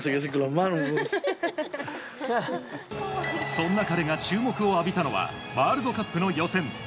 そんな彼が注目を浴びたのがワールドカップの予選。